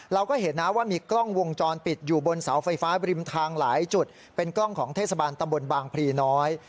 เราก็เห็นนะว่ามีกล้องวงจรปิดอยู่บนเสาไฟฟ้าบริมทางหลายจุดเป็นกล้องของเทศบาลตำบลบางพลีน้อย